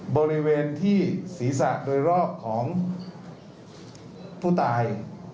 บริเวณที่ศีรษะโดยรอบของผู้ตาย